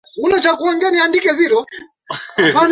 Mpishe apite.